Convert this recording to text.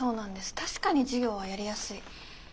確かに授業はやりやすい。